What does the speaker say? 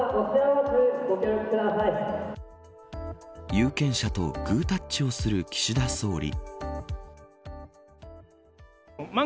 有権者とグータッチをする岸田総理。